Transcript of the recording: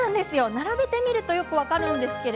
並べてみると分かります。